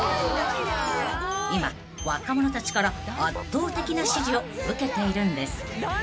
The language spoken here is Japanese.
［今若者たちから圧倒的な支持を受けているんです］